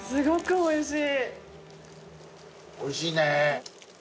おいしい。